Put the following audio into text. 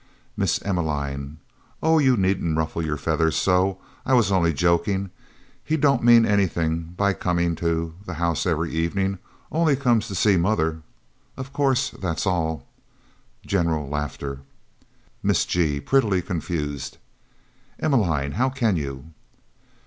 Miss Emmeline "Oh, you needn't ruffle your feathers so: I was only joking. He don't mean anything by coming to the house every evening only comes to see mother. Of course that's all!" [General laughter]. Miss G. prettily confused "Emmeline, how can you!"